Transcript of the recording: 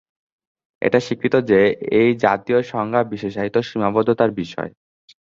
এটা স্বীকৃত যে, এই জাতীয় সংজ্ঞা বিশেষায়িত সীমাবদ্ধতার বিষয়।